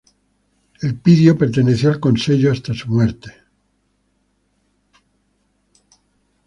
Elpidio perteneció al Consello hasta su muerte.